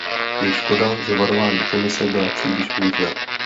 Je škoda, že varování Komise byla příliš mírná.